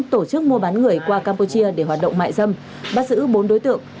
tổ chức mua bán người qua campuchia để hoạt động mại dâm bắt giữ bốn đối tượng